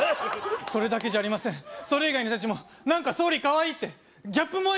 それだけじゃありませんそれ以外の人達も何か総理かわいいってギャップ萌え